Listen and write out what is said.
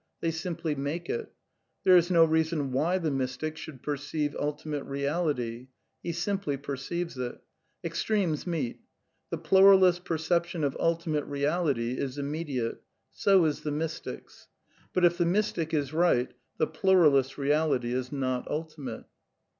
They simply make it. There is no reason why the mystic should perceive Ultimate Beal ity. He simply perceives it. Extremes meet. ThcN pluralist's perception of ultimate reality is immediate. So \jgm^ is the mystic's. But, if the mystic is right, the plurali3t\rj'''^ reality is not ultimate.